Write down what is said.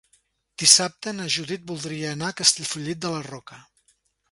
Dissabte na Judit voldria anar a Castellfollit de la Roca.